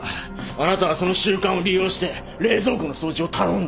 あなたはその習慣を利用して冷蔵庫の掃除を頼んだ。